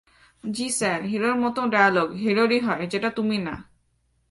জী স্যার, হিরোর মত ডায়ালগ, হিরোরি হয়, যেটা তুমি না।